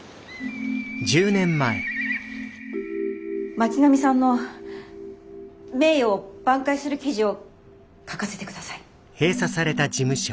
巻上さんの名誉を挽回する記事を書かせて下さい。